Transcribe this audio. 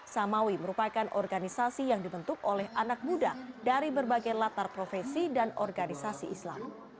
samawi merupakan organisasi yang dibentuk oleh anak muda dari berbagai latar profesi dan organisasi islam